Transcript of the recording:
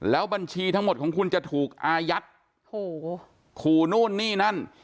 แล้วบัญชีทั้งหมดของคุณจะถูกอายัดโอ้โหขู่นู่นนี่นั่น